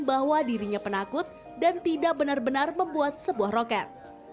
bahwa dirinya penakut dan tidak benar benar membuat sebuah roket